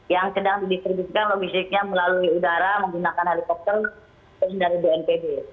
yang sedang didistribusikan logistiknya melalui udara menggunakan helikopter terus dari bnpb